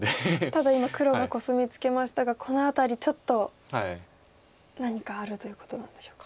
ただ今黒がコスミツケましたがこの辺りちょっと何かあるということなんでしょうか。